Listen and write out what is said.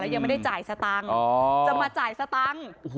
ยังไม่ได้จ่ายสตังค์จะมาจ่ายสตังค์